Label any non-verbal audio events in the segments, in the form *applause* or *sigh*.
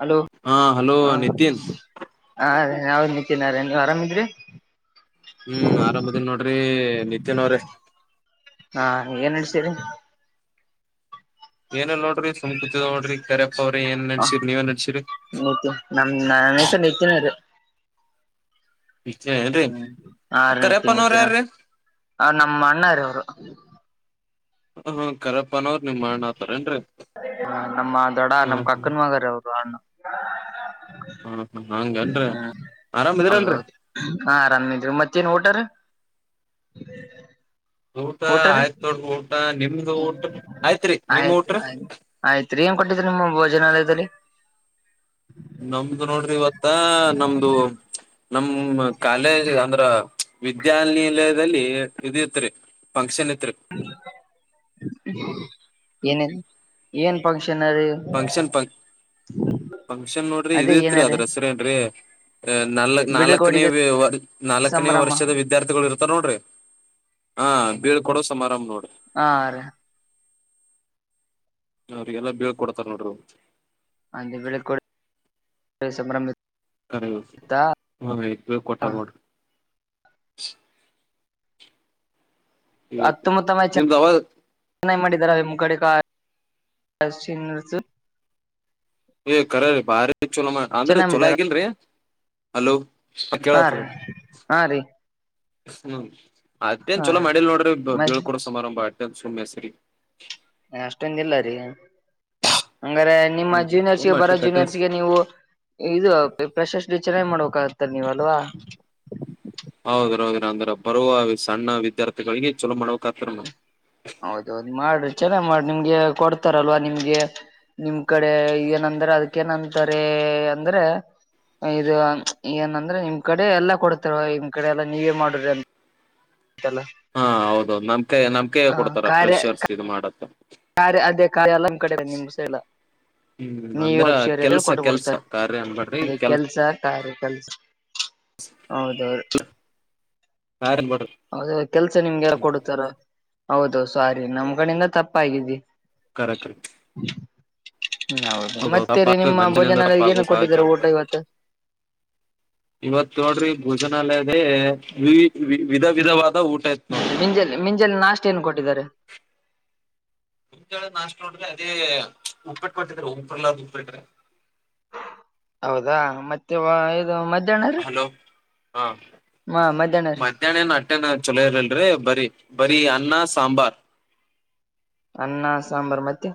Hello ಹಾ hello ಹ ನಿತಿನ್ ಹ ಯಾವ್ದ ನಾರ ನೀ ಆರಾಮಿದ್ರಿ. ಹ್ಮ ಆರಾಮ ಆದಿನ ನೋಡ್ರಿ ನಿತಿನ್ ಅವ್ರೆ ಹಾ ಏನ್ ನಡ್ಸಿರಿ. ಏನಿಲ್ಲ ನೋಡ್ರಿ ಸುಮ್ ಕುತಿದ ನೋಡ್ರಿ ಕರ್ಯಪ್ಪ ಅವ್ರಿ ಏನ್ ನಡಸಿರಿ ನೀವೇನ್ ನಡಸಿರಿ. ನಿದ್ದಿನ ಇದ ಏನ್ರಿ ಹ್ಮ ಆರನ ಕರ್ಯಪ್ಪನವ್ರ ಮತ್ತಿನ ಯಾರ್ರೀ ಅ ನಮ್ಮ ಅಣ್ಣಾರ ಇವರು ಹ ಹಾ ಕರ ಹ ನಮ್ಮ ದೊಡ ಹ್ಮ ನಮ್ ಹ್ಮ್ ಕಕ್ಕನ್ ಮಗಾರ ಅವರ ಹ್ಣ. ಹ್ಮ ಹಾ ಹ್ಮ ಹೌದೌದ ಹಾ ಆರಾಮಿದ್ರಿ ಮತ್ತೇನ ಊಟಾರೀ ಊಟ *inaudible* ಊಟರೀ ಆಯ್ತ್ ನೋಡ್ರಿ ಊಟ ನಿಮ್ದು ಹ್ಮ ಊಟ ಆಯ್ತ್ರಿ ನಿಮ್ ಆಯ್ತ ಊಟ್ರಿ ಆಯ್ ಆಯ್ತ ರೀ. ಕೊಟ್ಟಿದ್ದ ನಿಮ್ಮ ಭೋಜನಾಲದಲ್ಲಿ ನಮ್ದು ನೋಡ್ರಿ ಇವತ್ತ ನಮ್ದು ನಮ ಕಾಲೇಜ್ ಅಂದ್ರ ವಿದ್ಯಾನಿಲಯದಲ್ಲಿ ಇದ ಇತ್ರಿ ಫಂಕ್ಷನ್ ಇತ್ರಿ ಏನ ಏನ್ ಪ ಫಂಕ್ಷನ್ ಪ ಫಂಕ್ಷನ್ ನೋಡ್ರಿ ಇದ ಅದೇ ಏನ ಇತ್ರಿ ರೀ ಅದ ಹೆಸರ ಏನ್ರಿ ಅ ನಾಲ್ ನಾಲ್ಕನೇ ಬೀಳ್ಕೊಡುಗೆ ವ ನಾಲ್ಕನೇ ಸಂಭ್ರಮ ವರ್ಷದ ವಿದ್ಯಾರ್ಥಿಗಳ ಇರ್ತಾರ ನೋಡ್ರಿ. ಹಾ ಬೀಳ್ ಕೊಡೋ ಸಮಾರಂಭ ನೋಡ್ರಿ. ಹಾರಿ. ಅವ್ರಿಗೆಲ್ಲ ಬೀಳಕೊಡ್ತಾರ ನೋಡ್ರಿ. ಅಂದ ಬಿಳಕೋಡ ಸಂಭ್ರಮ *unintelligible* ಆತಾ ಬೀಳ್ಕೊತ್ತರ ನೋಡ್ರಿ. ಇವತ್ತು ನಿಮ್ದ ಚನ್ನ ಮಾಡಿದ್ದಾರ ಅವ ಮುಗಡಕ ಏ ಕರೀ ಬಾರಿ ಚಲೋ ಅಂದ್ರ ಚೆನ್ನಾಗಿ ಚಲೋ ಮಾಡಿದಾರ ಆಗನ್ರೀ ಅಲೋ ಹಾ ರೀ ಹಾ ರೀ. ಹ್ಮ ಅಟ್ಟೆನ ಹಾ ಚಲೋ ಮಾಡಿಲ ನೋಡ್ರಿ ಮ ಬೀಳ್ಕೊಡ ಸಮಾರಂಭ ಅಟ್ಟೆನ ಸುಮ್ಮಸರಿಗಿ ಅಷ್ಟೊಂಗದಿಲ್ಲ ರೀ ಹಂಗಾರೆ ನಿಮ್ಮ ಹ್ಮ್ ಜೂನಿಯರ್ಸ್ ಸುಮ್ ಗೆ ಅಟ್ಟ ಬರೋ ಕಟ್ಟ ಜೂನಿಯರ್ಸ್ಗೆ ನೀವು ಇದು ಪ್ರಶಸ್ ಚೆನ್ನಾಗಿ ಮಾಡ್ಬೇಕಾಗೆ ತ ನೀವಲ್ವಾ ಹೌದ್ರ ಹೌದ್ರ ಅಂದ್ರ ಬರುವ ಸಣ್ಣ ವಿದ್ಯಾರ್ಥಿಗಳಿಗೆ ಚಲೋ ಮಾಡಕ್ ಹತ್ರ ಹೌದೌದು ಮಾಡ್ರಿ ಚೆನ್ನಾಗ್ ಮಾಡಿ ನಿಮ್ಗೆ ಕೊಡ್ತಾರಲ್ವಾ ನಿಮ್ಗೆ ನಿಮ್ ಕಡೆ ಏನಂದ್ರೆ ಅದಕ್ಕೇನಂತಾರೆ ಅಂದ್ರೆ ಇದು ಏನಂದ್ರೆ ನಿಮ್ ಕಡೆ ಎಲ್ಲಾ ಕೊಡ್ತಾರ ನಿಮ್ ಕಡೆ ಎಲ್ಲಾ ನೀವೇ ಮಾಡ್ರಿ ಅಂತ ಹಾ ಹೌದು ನಮ್ ಕೈ ನಮ್ ಕೈ ಕೊಡ್ತಾರೆ ಫ್ರೆಷರ್ಸ್ ಇದು ಮಾಡತ್ತ ಯಾರೆ ಅದೇ ಕಾಯಲ್ಲ ನಮ್ ಕಡೆ ನಿಮ್ ಸೈಲ ಹ್ಮ್ ನೀವು ಅಂದ್ರ *unintelligible* ಕೆಲ್ಸ ಕೊಟ್ಟು ಕೆಲ್ಸ ಬುಡ್ತಾರ ಕಾರ್ಯ ಅನ್ಬೇಡ್ರಿ ಅದ ಕೆಲ್ಸ ಗಾರೆ ಕೆಲ್ಸ ಹೌದು ಹೌದು ಕಾರ್ಯ ಅನ್ಬೇಡ್ರಿ ಹೌದ ಕೆಲ್ಸ ನಿಮ್ಗೆ ಯಾರ ಹ್ಮ್ ಕೊಡ್ತಾರೆ ಹೌದು ಸಾರಿ ನಮ್ ಕಡೆಯಿಂದ ತಪ್ಪಗಿದಿ ಕರೆಕ್ಟ್ ಹ್ಮ್ ಹೌದು ಮತ್ತೆ ಹೌದೌದುಪ್ಪ ರೀ ನಿಮ್ಮ ಬಂಜನಿಂದ ತಪ್ಪ ಭೋಜನಾಲಯಗೆ ಏನು ಆಗುವ ಸಹಜ ಕೊಟ್ಟಿದ್ದಾರೆ ಊಟ ಆಗ್ತದೆ ಇವತ್ತು ಇವತ್ ನೋಡ್ರಿ ಭೋಜನಾಲಯದೇ ವಿ ವಿಧ ವಿಧವಾದ ಊಟ ಇತ್ ನೋಡ್ರಿ ಮಿಂಜಲ್ ಮಿಂಜಲ್ ನಾಷ್ಟ ಏನ್ ಕೊಟ್ಟಿದ್ದಾರೆ *unintelligible* ನಾಶ ನೋಡ್ರಿ ಅದೇ ಉಪ್ಪಿಟ್ಬಟ್ಟಿದ್ರ ಉಪರ್ಲಾರ ಉಪ್ಪಿಟ್ರೆ ಹೌದಾ ಮತ್ತೆ ಇದು ಮಧ್ಯಾಹ್ನರಿ ಹಲೋ ಹಾ ಮಧ್ಯಾಹ್ನ ಏನ ಬಟ್ಟೆನ ಚೊಲೋ ಇರಲ್ರಿ ಬರಿ ಬರಿ ಅನ್ನ ಸಾಂಬಾರ್ ಅನ್ನ ಸಾಂಬಾರ್ ಮತ್ತೆ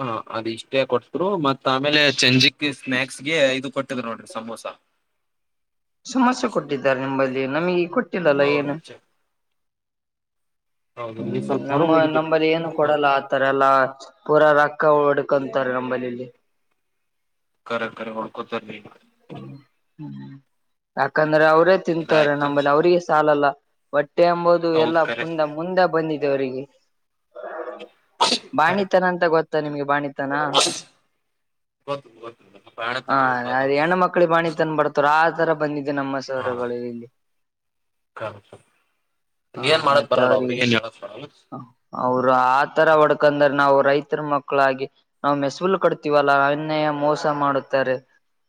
ಹ ಅದ ಇಷ್ಟೇ ಕೊಟ್ಟ್ರು ಮತ್ ಆಮೇಲೆ ಚಂಜಿಕ್ ಸ್ನಾಯಕ್ಸ್ಗೆ ಇದು ಕೊಟ್ಟಿದ್ ನೋಡ್ರಿ ಸಮೋಸಾ ಸಮಸ್ಯೆ ಕೊಟ್ಟಿದ್ದಾರೆ ನಿಂಬಲ್ಲಿ ನಮಗೆ ಕೊಟ್ಟಿಲ್ಲಲ್ಲ ಹೌದು ಏನು ಅಜ್ಜ. ಹೌದು ನೀ ಹ್ಮ್ ಸ್ವಲ್ಪ ಹೊರಗೆ ನಮ್ಮ ಹೋಗಿದ್ದೀರಿ. ನಮ್ಮಲ್ಲಿ ಏನು ಕೊಡಲ್ಲ ಆತರ ಎಲ್ಲಾ ಪೂರಾ ರೊಕ್ಕ ಹಡ್ ಕಕ್ಕಂತಾರೆ ನಂಬಲ್ಲಿ ಇಲ್ಲಿ ಕರೆ ಕರೆ ಹೊಡ್ಕೊತರ್ ರಿ ಹ್ಮ ಹ್ಮ್ ಯಾಕಂದ್ರೆ ಅವ್ರೇ ತಿಂತವಾರೆ ಇದಾಯ್ತು ನಮ್ಮಲ್ಲಿ ಅವ್ರಿಗೆ ಸಾಲಲ್ಲ ಹೊಟ್ಟೆ ಅಂಬುದು ಎಲ್ಲ ಹೌದ್ ಕರೆ. ಮುಂದ ಮುಂದೆ ಬಂದಿದೆ ಅವರಿಗೆ ಕರೆ ಬಾಣಿತನ ಅಂತ ಗೊತ್ತ ನಿಮ್ಗೆ ಬಾಣಿ ಗೊತ್ತು ಗೊತ್ತು ಬ್ಯಾಡತನ ಹಂ ಗೊತ್ತಾತನ. ಏನು ಕಾಣಿ ತಂದ ಬಡ್ತಾರ ಆ ತರ ಬಂದಿದೆ ನಮ್ಮ ಸರ್ಗಳು ಇಲ್ಲಿ ಕರೆಕ್ಟ್ ಟು ಹಾ ಮತ್ತೆ ಅವ್ರಿಗೆ ಬರಲ್ಲ. ಅವರು ಆತರ ಹೊಡ್ಕೊಂಡು ನಾವು ರೈತರ್ ಮಕ್ಕಳಾಗಿ ನಾವು ಮೆಸಲು ಕಡ್ತೀವಲ್ಲ ಅನ್ನೆ ಮೋಸ ಮಾಡುತ್ತಾರೆ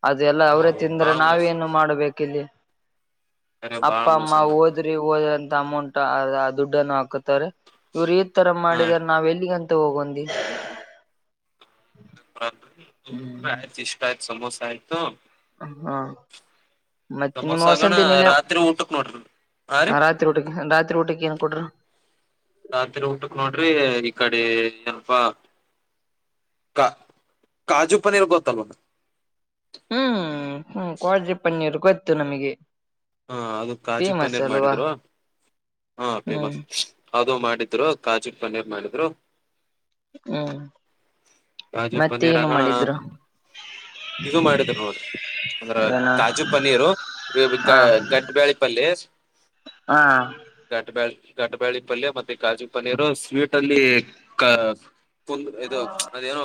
ಅದೆ ಎಲ್ಲ ಅವ್ರೇ ಹೌದು ತಿಂದ್ರ ಬಾಳ್ ಮೋಸ ನಾವೇನು ಮಾಡ್ಬೇಕ್ ಇಲ್ಲಿ ಕರೆ ಅಪ್ಪ ಬಾಳ್ ಮೋಸ ಅಮ್ಮ ಮಾಡ್ತಾರೆ ಓದ್ರಿ ಓದಂತ ಅಮೌಂಟ್ ಅ ದುಡ್ಡನ್ನು ಹಾಕುತ್ ಇವ್ರು ಈ ತರ ಹಾ. ಮಾಡಿದಾರ ನಾವ್ ಎಲ್ಲಿಗಂತೂ ಹೋಗೊಂದಿ ಹ್ಮ್ ಆಯ್ತು ಇಷ್ಟ ಆಯ್ತು ಸಮೋಸ ಆಯ್ತು ಹಾ ಮತ್ತಿನ ಮೋಸಂ ಸಮೋಸಾಗಣ ತಿನ್ನಿಲ್ಲ ರಾತ್ರಿ ಊಟಕ್ ನೋಡ್ರಿ. ಹಾ ರೀ ರಾತ್ರಿ ಊಟ್ಟಕೆ ರಾತ್ರಿ ಊಟಕೆ *inaudible* ರಾತ್ರಿ ಊಟಕ್ ನೋಡ್ರಿ ಈ ಕಡೆ ಏನಪ್ಪಾ ಕ ಕಾಜು ಪನೀರ್ ಗೊತ್ತಲ್ ಒಂದು ಹ್ಮ್ ಹ್ಮ್ ಕೋಳ್ರಿ ಪನ್ನೀರು ಗೊತ್ತು ನಮಗೆ ಹಾ ಅದು ಕಾಜು ಫೇಮಸ್ ಪನ್ನೀರ್ ಅಲ್ವಾ ಮಾಡಿದ್ರು ಹಾ ಹ್ಮ್ ಫೇಮಸ್ ಅದು ಮಾಡಿದ್ರು ಕಾಜುಟ್ ಪನ್ನೀರ್ ಮಾಡಿದ್ರು ಹ್ಮ್ ಕಾಜು ಮತ್ತೆ ಪನ್ನೀರ್ ಏನು ಆಗಣ ಮಾಡಿದ್ರು ಇದು ಮಾಡಿದರು ನೋಡಿ ಅಂದ್ರ ಏನು ತಾಜು ಪನೀರು ಗ ಹಾ ಗಟ್ಟಬ್ಯಾಳಿ ಪಲ್ಲಸ್ ಹಾ ಗಟ್ಟಬ್ಯಾಳಿ ಗಟಬಾಳಿ ಪಲ್ಯ ಮತ್ತೆ ಕಾಜು ಪನೀರು ಸ್ವೀಟ್ ಅಲ್ಲಿ ಒಂದು ಇದು ಅದೇನೋ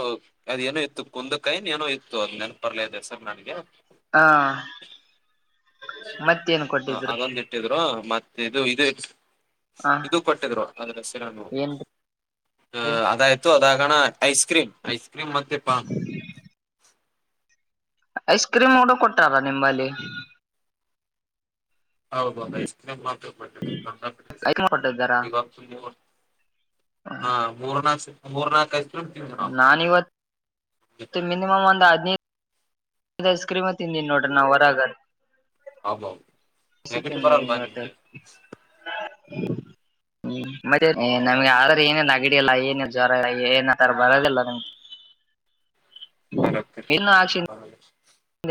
ಅದೇನೋ ಇತ್ತು ಕುಂದಕಾಯನ್ ಏನೋ ಇತ್ತು ಅದ ನೆನಪ ಪರ್ಲೇದೆ ಸರ್ ನನ್ಗೆ ಹಾ ಮತ್ತೇನ್ ಕೊಟ್ಟಿದ್ರು ದು ಇದೆ ಹ ಇದು ಕೊಟ್ಟಿದ್ರು ಅದ್ರಸಿರ ಏನ್ ಅಹ ಅದಾಯ್ತು ಅದ ಕಣ ಐಸ್ಕ್ರೀಮ್ ಐಸ್ಕ್ರೀಮ್ ಮೆ ಪಾಣ ಐಸ್ ಕ್ರೀಮ್ ನೋಡ ಕೊಟಾರ ನಿಂಬಲ್ಲಿ ಹೌದೌದು ಐಸ್ ಕ್ರೀಮ್ ಐಸ್ ಕ್ರೀಮ್ ಕೊಟ್ಟಿದ್ದಾರಾ ಇವಾಗತ್ತು ಮೂರ್ ಹಾ ಮೂರನಾಸ ಮೂರ್ನಾಕ ನಾಾನ ಇವತ್ತು ಮಿನಿಮ್ ಒಂದ ಐಸ್ ಕ್ರೀಮ ತಿಂದಿನಿ ನೋಡ್ರ ನ ಹೊರಗ ಅಬ್ಬಾ ತಿತ್ತ ನೆಗಡಿ ಬರಲ್ವಾ ಹ ನಿಮ್ಗೆ ಹ್ಮ್ ಮತ್ತೆ ನಮ್ಗೆ ಆದ್ರ ಏನೇನ್ ಅಗಡಿಿಯಲ್ಲಾ ಏನೇನ್ ಜ್ವರ ಏನ್ ಆತರ ಬರದಲ್ಲ ನಂ ಹತರಿ ಆಕ್ಷನ್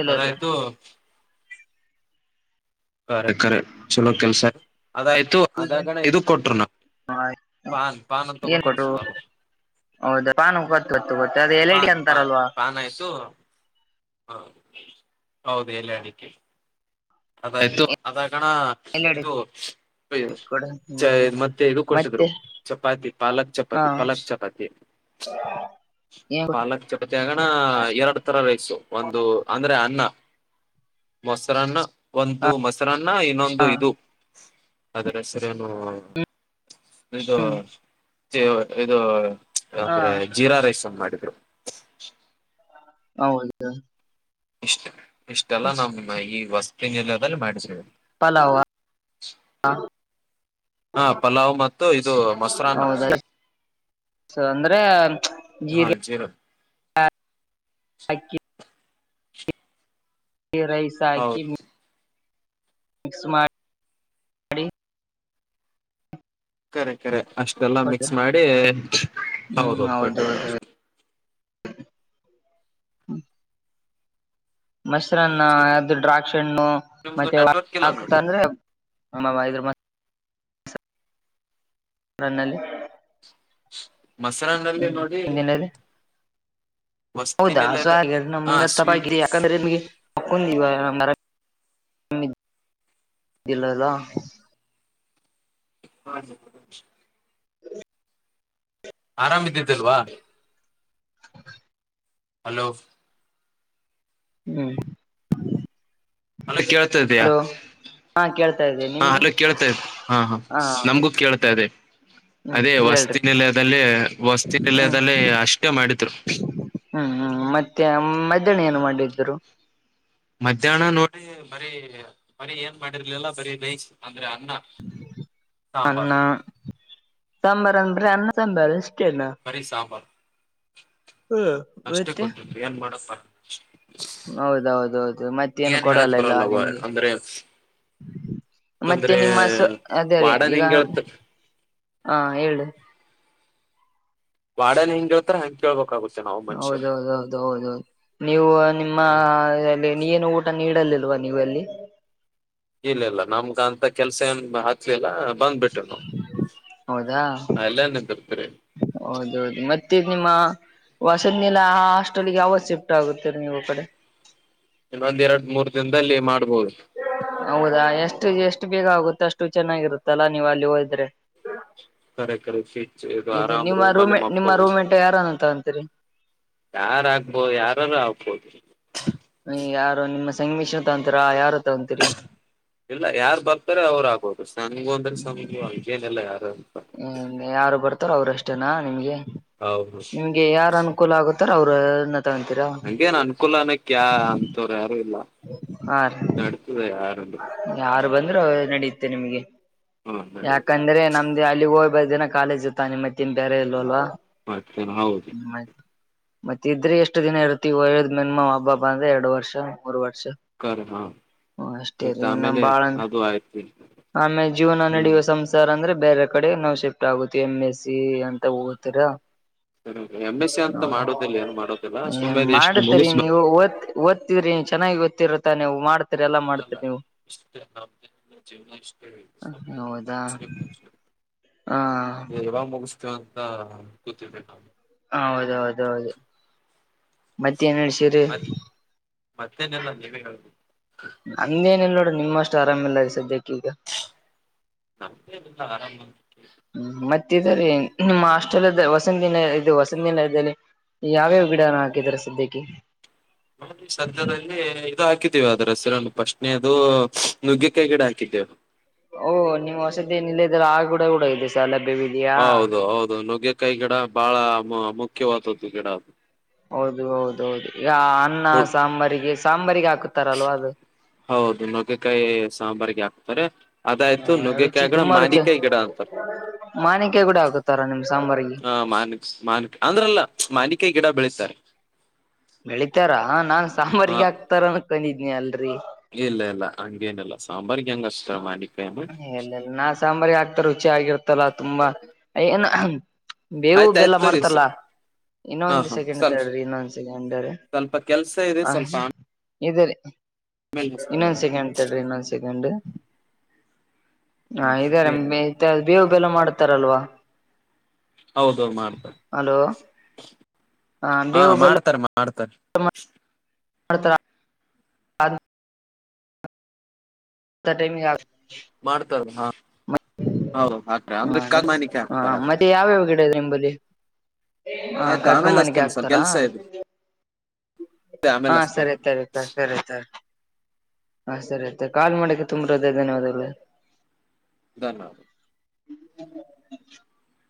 ಇಲ್ಲ ರೀ ಅದಾಯ್ತು ಖರೆ ಕಖರೆ ಚಲೋ ಕೆಲ್ಸ ಅದಾಯ್ತು ಅದಾಗಣ ಇದ ಕೊಟ್ರು ನಾವು ಪಾನ್ ಪಾನ್ ಅಂತ ತಗೋತರ ಸ ಹೌದಾ ಪಾನು ಗೊತ್ತು ಗೊತ್ತು ಗೊತ್ತು ಅದ L I D PAN PAN ಅಂತಾರಲ್ವಾ ಪಾನ್ ಆಯ್ತು ಹ ಹೌದು ಎಲ್ಲಯ ಅಡಿಕೆ ಅದಾಯ್ತು ಅದಕಣ ಎಲ್ ಇಡಿ ಇದು ಕೊಡು ಚ ಹ್ಮ್ ಮತ್ತೆ ಇದಕ್ಕೋರ್ದ್ರು ಮತ್ತೆ ಚಪಾತಿ ಪಾಲಕ್ ಹಾ ಚಪಾತಿ ಪಾಲಕ್ ಚಪಾತಿ ಏನ್ ಪಾಲಕ್ ಚಪತಿಿಯಗಣ ಎರಡ್ ತರ ರೈಸು ಒಂದು ಅಂದ್ರೆ ಅನ್ನ ಮೊಸರನ್ನ ಒಂತ ಹಾ ಮೊಸರನ್ನ ಇನ್ನೊಂದು ಹಾ ಇದು ಆದ್ರೆ ಸರಿನು ಇದು ಹ್ಮ್ ಇದು ಹಾ ಅಂದ್ರೆ ಜೀರಾ ರೈಸ್ ಮಾಡಿದ್ರು ಹೌದುದ ಇಷ್ಟ ಇಷ್ಟೆಲ್ಲ ನಮ್ಮ ಈ ವಸ್ತಿಿನಿಲದಲ್ಲಿ ಮಾಡಿದ್ದೇ ಪಲಾವ ಹಾ ಪಲಾವ್ ಮತ್ತು ಇದು ಮೊಸರನ್ನ ಸೊ ಅಂದ್ರೆ ಜೀ ಹಾ ಜೀರಾ ರೈಸಾಯಕಿ ಹೌದು ಸುಮಾರ ಕರೆ ಕರೆ ಅಷ್ಟೆಲ್ಲ ಕೊಟ್ಟ ಮಿಕ್ಸ್ ಮಾಡಿ ಹ್ಮ್ ಹೌದೌದು ಬಟ್ಟಿದ್ರ ಹೌದೌದು ಅಷ್ಟು ಹ್ಮ ಮಶರನ್ನ ಮತ್ತೆ ಸ್ವಲ್ಪ ಅ ದ್ರಾಕ್ಷಿ ಹಣ್ಣು ನಿಮ್ದು ಮತ್ತೆ ನೆಟ್ವರ್ಕ್ ಇಲ್ಲ ನೋಡಿ ಹಾಕತಂದ್ರೆ ಆ ಹೈದರಬಾದ ನನ್ನಲ್ಲಿ ಮೊಸರನಲ್ಲಿ ನೋಡಿ ಮುಂದಿನಲ್ಲಿ ಹೌದಾ ವಸ್ತಿನೆಲ್ಲ ಸೊ ಹಾಗ ಹಾ ಸ್ವೀಟ್ ನಮತ್ತಪ್ಪಗರಿ ಯಾಕಂದ್ರೆ ನಿಮ್ಗೆ ಹಾಕೊಂಡ ದವ ಮರಿಲ್ಲಲ್ಲ ಹ ಆರಾಮ್ದಿದ್ದಲ್ವಾ ಹಲೋ ಹ್ಮ್ ಅಲ್ಲ ಕೇಳ್ತತಯ ಹಲೋ ಹಾ ಕೇಳ್ತಾ ಇದೆ ಹಾ ನಿಮ್ಗೆ ಅಲೋ ಕೇಳ್ತಾ ಹಾ ಹ ನಮ್ಗೂ ಕೇಳ್ತಾ ಇದೆ ಹ್ಮ್ ಅದೇ ಹೇಳ್ರಿ ವಸ್ತಿಿನಲಯದಲ್ಲಿ ವಸ್ತಿಿನ ಹ್ಮ್ ನಿಲಯದಲ್ಲಿ ಅಷ್ಟೇ ಮಾಡಿದ್ರು ಹ್ಮ್ ಹ್ಮ್ ಮತ್ತೆ ಮಧ್ಯಾಹ್ ಏನು ಮಾಡಿದ್ರು. ಮಧ್ಯಾಹ್ನ ನೋಡಿ ಬರೀ ಬರೀ ಏನ್ ಮಾಡಿರ್ಲಿಲ್ಲ ಬರೀ ಬೇ ಬರೆ ಅನ್ನ ಹಾ ಅನ್ನ ಬರ್ಲಿ. ಅಂದ್ರೆ ಸಾಂಬಾರ್ ಅನ್ನ ಸಾಂಬಾರಿಷ್. ಬರಿ ಸಾಂಬಾರ್. ಹ್ಮ್ ಅಷ್ಟೇ ಮತ್ತೆ ಕೊಟ್ಟಿದ್ರು ಏನ್ ಮಾಡಪ್ಪ. ಹೌದೌದೌದು ಮತ್ತೇನು ಏನ್ ಹೇಳಕ್ ಕೊಡಲ್ಲಲ್ಲ ಬರಲ್ಲವ ನಿಮ್ಗೆ. ಅಂದ್ರೆ ಮತ್ತೆ ಅಂದ್ರೆ ನಿಮ್ಮ ಹೆಸು ಅದೇ ರೀ ವಾಡನ್ ಈಗ ಹೆಂಗ ಹೇಳ್ತ ಹ ಹೇಳಿ. ವಾರ್ಡನ್ ಹೆಂಗ್ ಹೇಳ್ತಾರ ಹಂಗ್ ಕೇಳ್ಬೇಕಾಗುತ್ತೆ. ನಾವು ಮನುಷ್ಯರು ಹೌದೌದೌದ ಹೌದೌದು ನೀವು ನಿಮ್ಮ ಎಲ್ಲಿ ಏನು ಊಟ. ನೀಡಲಿಲ್ವಾ ನೀವೆಲ್ಲಿ. ಇಲ್ಲ ಇಲ್ಲ ನಮ್ಗ ಅಂತ ಕೆಲ್ಸ ಏನ್ ಹಾಕ್ಲಿಲ್ಲ ಬಂದ್ಬಿಟಿ ನೂ. ಹೌದಾ ಹೌದೌದು ಮತ್ತೆ ನಿಮ್ಮ ವಸದ್ನಲ ಆ ಹಾಸ್ಟೆಲ್ಗೆ ಯಾವತ್ ಶಿಫ್ಟ್ ಆಗುತ್ತೀರಿ ನೀವು ಈ ಕಡೆ. ಇನ್ನೊಂದು ಇರಮೂರ್ ದಿನದಲ್ಲಿ ಮಾಡ್ಬೋದು. ಹೌದಾ ಎಷ್ಟು ಎಷ್ಟು ಬೇಗ ಆಗುತ್ತೆ ಅಷ್ಟು ಚೆನ್ನಾಗಿರುತ್ತಲ್ಲಾ ನೀವು ಅಲ್ಲಿ ಹೋದ್ರೆ. ಕರೆ ಕಲ್ಲು ಶೀಟ್ಸ್ ಇದು ಆರಾಮ್ ನಿಮ್ಮ ರೂಮ್ ಅಲ್ಲಿ ರೂಮೆ ನಿಮ್ಮ ಮಕ್ಕೊಬಹುದು. ರೂಮ್ಮೆಂಟ್ ಯಾರನ್ನು ತಗೊಂತೀರಿ ಯಾರಾಗಬೋದು ಯಾರನೂ ಆಗ್ಬೋದು. ಯಾರು ನಿಮ್ಮ ಸಂಗಮಿಶ್ರ ತಗೊಂತೀರಾ ಯಾರು ತಗೊಂತೀರಿ. ಇಲ್ಲ ಯಾರು ಬರ್ತಾರ ಅವ್ರು ಆಗಬಹುದು ಸಂಗು ಅಂದ್ರೆ ಸಂಗಗು ಹಂಗೇನಿಲ್ಲ ಯಾರು. ಹ್ಮ ಯಾರು ಬರ್ತಾರೋ ಅವರು ಅಷ್ಟೇನಾ ನಿಮ್ಗೆ ಹೌದು ನಿಮ್ಗೆ ಯಾರ ಅನುಕೂಲ ಆಗುತ್ತ. ಅವ್ರೆನತ್ತೂ ನಂಗೆ ನ್ ಅನುಕೂಲನ ಆನ್ ಕ್ಯಾ ಅಂತವ್ರ ಯಾರು ಇಲ್ಲ ಆ ಅದೊಂದು ಯಾರು ಬಂದ್ರು ನಡೆಯುತ್ತೆ ನಿಮ್ಗೆ ಹಾ ನಡೀತದೆ ಯಾಕಂದ್ರೆ ನಮ್ದ ಅಲ್ಲಿ ಹೋಗ ಇವತ್ತು ದಿನ ಕಾಲೇಜ್ ಇತ್ತಾ ನಿಮ್ಮೆತ್ತಿನ್ ಬೇರೆ ಇಲ್ ಅಲ್ವಾ. ಮತ್ತಿನ ಹೋಗಿ. ಮತ್ತ ಇದ್ರೆ ಎಷ್ಟು ದಿನ ಇರ್ತೀವೋ ಅಬ್ಬಬ್ಬಾ ಅಂದ್ರೆ ಎರಡು ವರ್ಷ ಮೂರ್ ವರ್ಷ. ಕರೆ ಹಾ ಇನ್ನೆಷ್ ಆಯ್ತು ತಿರಿಯೋಣ ಆಮೇಲೆ ಬಾಳಲೆ ಅದು ಆಯ್ತು ಆಮೇಲೆ ಜೀವನ ಹ್ಮ್ ನಡೆಯುವ ಸಂಸಾರ ಅಂದ್ರೆ ಬೇರೆ ಕಡೆ ನಾವು ಶಿಫ್ಟ್ ಆಗುತ್ತವಿ ಎಮ್ ಎಸ್ ಸಿ ಅಂತ ಹೋತೀರಾ. ಎಂ ಎಸ್ ಸಿ ಅಂತ ಮಾಡೋದಿಲ್ಲ ಏನು ಮಾಡೋದಿಲ್ಲ ಹ ಸುಮ್ಮನೆ ಎಷ್ಟು ಮಾಡ್ತುರಿ ಮುಗಿಸ್ಬೇಕು ನೀವು ಒತ್ತು ಒತ್ತಿ. ಸ್ಕ್ರೀನ್ ಚೆನ್ನಾಗಿ ಗೊತ್ತಿರುತ್ತೆ ನೀವು ಮಾಡ್ತೀರಿ ಎಲ್ಲ ಮಾಡ್ತೀರಿ ನೀವು. *unintelligible* ಹೌದಾ ಹ ಇವೆಲ್ಲ ಮುಗಿಸ್ತೀವಿ ಅಂತ ಕೂತಿದೀವಿ ನಾವು. ಮತ್ತೆನ್ ವಿಷಯ ರೀ ಮತ್ತೇನಿಲ್ಲ ನೀವೇ ಹೇಳುಬೇಕು. ನಂದೇನಿಲ್ಲ ರೀ ನಿಮ್ಮಷ್ಟು ಆರಾಮಿಲ್ಲ ಸದ್ಯಕ್ಕೆ. ಈಗ ನಮ್ಡೇ ಏನಿಲ್ಲ ಆರಾಮ. ತ್ತಿನರೀ ನಿಮ್ಮ ಹಾಸ್ಟೆಲ್ದ್ದೂ ಹೊಸನ್ ದಿನ ಇದು ಹೊಸಂತ ದಿನ *unintelligible* ಯಾವ್ಯಾವ ಗಿಡನ ಹಾಕಿದ್ದೀರಾ ಸದ್ಯಕ್ಕೆ. ಸದ್ಯದಲ್ಲಿ ಇದು ಹಾಕಿ. ಅದ್ರ ಹೆಸರನ್ನು ಫಸ್ಟ್ನೇದು ನುಗ್ಗಿ ಕಾಯಿ ಗಿಡ ಹಾಕಿದ್ದೇ. ಓ ನೀವು ಹೊಸದು ಏನಿಲ್ಲ ಆ ಗಿಡ ಹುಡೋದು ಶಾಲೆಲಿ. ಹೌದು ಹೌದು ನುಗ್ಗೆಕಾಯಿ ಗಿಡ ಬಹಳ ಮುಖ್ಯವಾದದ್ದು ಗಿಡ ಅದು. ಹೌದು ಹೌದೌದು ಈ ಅನ್ನ ಅದು ಸಾಂಬಾರಿಗೆ ಸಾಂಬಾರಿಗೆ ಹಾಕುತ್ತಾರಲ್ವಾ ಅದು ಹೌದು ನುಗ್ಗೆಕಾಯಿ ಸಾಂಬಾರಿಗೆ ಹಾಕ್ತಾರೆ. ಅದಾಯ್ತು ರುಚಿ ನುಗ್ಗೆಕಾಯಿ ಗಿಡ ತುಂಬಾ ರುಚಿ ಮಾಡಿಕಾಯಿ ಗಿಡ ಅಂತಾರೆ. ಮಾನಿಕಾಯಿ ಕೂಡ ಹಾಕುತ್ತಾರ ನಿಮ್ ಸಾಂಬಾರಿಗೆ ಹ ಮಾರ್ನಿಕ್ಸ್ ಮಾನಿಕಾಯಿ ಅಂದ್ರಲ್ಲ ಮಾವಿನಕಾಯಿ ಗಿಡ ಬೆಳೆಸ ಸರಿ ಬೆಳಿತಾರ ನಾನ್ ಹ ಸಾಂಬಾರಿಗೆ ಹಾಕ್ತಾರ ಅನ್ಕೊಂಡಿದನಿ ಅಲ್ರರಿ ಇಲ್ಲ ಇಲ್ಲ ಹಂಗೇನಿಲ್ಲ ಸಾಂಬಾರಿಗೆ ಹೆಂಗ ಅಷ್ಟ ಎಲ್ಲಲ್ಲ ನಾ ಸಾಂಬಾರಿ ಹಾಕ್ತಾ ರುಚಿ ಆಗಿರ್ತಲ್ಲ ತುಂಬಾ ಏನ ಬೇವು ಆಯ್ತ ಬೆಲ್ಲ ಆಯ್ತು ತೋರಿ ಮಾಡ್ತಲ್ಲ ಹಾ ಇನ್ನೊಂದ್ ಹಾ ಸೆಕೆಂಡ್ ಸ್ವಲ್ಪ ತರ್ಡ್್ರಿ ಇನ್ನೊಂದ್ ಸೆಕೆಂಡ್ರ ಸ್ವಲ್ಪ ಕೆಲ್ಸ ಇದೆ ಆ ಸ್ವಲ್ಪ ಇದ ರೀ ಆಮೇಲೆ ಇನ್ನೊಂದ್ ಹಚ್ತೇನೆ ಸೆಕೆಂಡ್ ತಡ್ರಿ ಇನ್ನೊಂದ್ ಸೆಕೆಂಡ್ ಹಾ ಇದಾರೆ ಬೇವು ಬೆಲ್ಲ ಮಾಡತಾರಲ್ವಾ ಹೌದೌದು ಮಾಡ್ತ ಹಾ ಮಾಡ್ತಾರೆ ಮಾಡ್ತಾರ ಹತರ ಸಟೈಮ ಆ ಮಾಡ್ತಾರ ಹಾ ಹೌ ಹಾಕ್ರ ಅಂದ್ರೆ ಕಾಗಮಾನಿಕೆ ಹಾಕ್ತಾರ ಅದ ನಿಂಬಲಿ ಹಾ ಆಯ್ತು ಕಗ್ಗು ಆಮೇಲೆ ಮನೆಗೆ ಅಸ್ತೇನೆ ಸ್ವಲ್ಪ ಹಾಕ್ತಾರಾ ಕೆಲ್ಸ ಇದೆ ಹಾ ಆಮೇಲೆ ಅಸ್ತೇನೆ ಸರಿ ತರಿಕ್ಕ ಸರಿ ತರಿ ಹಾ ಸರಿ ಆಯ್ತೆ ಕಾಲ್ ಮಾಡಕ್ಕೆ ತುಂಬ್ರ ಅದೇ ಧನ್ಯವಾದಲ್ಲ ಧನ್ಯವಾದ *inaudible*